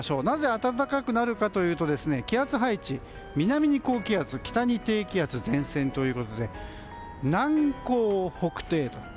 なぜ暖かくなるかというと気圧配置が、南に高気圧北に低気圧の前線ということで南高北低と。